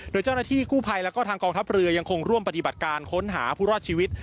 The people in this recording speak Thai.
โดยเจ้าหน้าที่กู้ภัยแล้วก็ทางกองทัพเรือยังคงร่วมปฏิบัติการค้นหาผู้รอดชีวิต